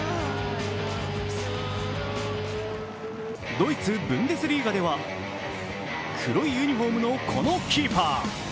ドイツ・ブンデスリーガでは黒いユニフォームのこのキーパー。